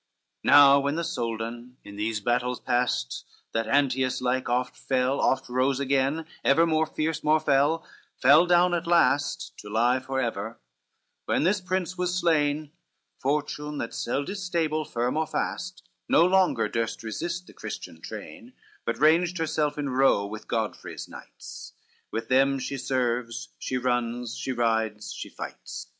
CVIII Now when the Soldan, in these battles past That Antheus like oft fell oft rose again, Evermore fierce, more fell, fell down at last To lie forever, when this prince was slain, Fortune, that seld is stable, firm or fast, No longer durst resist the Christian train, But ranged herself in row with Godfrey's knights, With them she serves, she runs, she rides, she fights.